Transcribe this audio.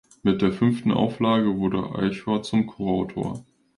Mit der fünften Auflage wurde Aichhorn zum Coautor.